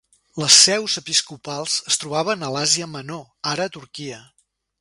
Les seus episcopals es trobaven a Àsia Menor, ara a Turquia.